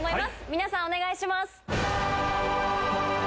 皆さん、お願いします。